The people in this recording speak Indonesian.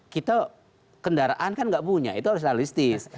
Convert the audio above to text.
kita kendaraan kan nggak punya itu harus realistis